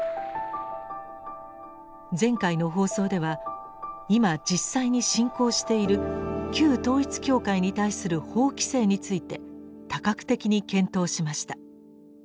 前回の放送では今実際に進行している旧統一教会に対する法規制について多角的に検討しました。